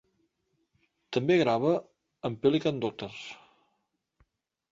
També grava amb Pelican Daughters.